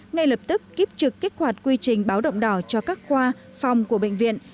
ngay lập tức kiếp trực kích hoạt quy trình báo động đỏ cho các khoa phòng của bệnh viện